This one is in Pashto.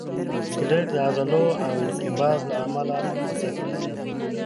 سکلیټ د عضلو د انقباض له امله په خوځښت راځي.